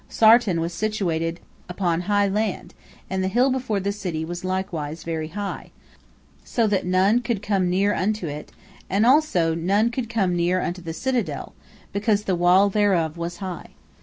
Sartan was situated upon high land, and the hill before the city was likewise very high, so that none could come near unto it, and also none could come near unto the citadel, because the wall thereof was high.